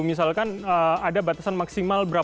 misalkan ada batasan maksimal berapa